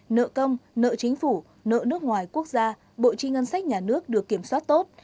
nợ công nợ chính phủ nợ nước ngoài quốc gia bộ chi ngân sách nhà nước được kiểm soát tốt